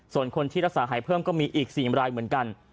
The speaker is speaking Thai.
ส่วนคนที่รักษาหายเพิ่มก็มีอีก๔รายเหมือนกัน